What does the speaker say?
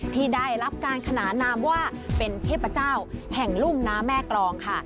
ที่ได้รับการขนานนามว่าเป็นเทพเจ้าแห่งลุ่มน้ำแม่กรองค่ะ